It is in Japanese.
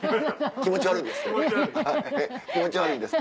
気持ち悪いんですって。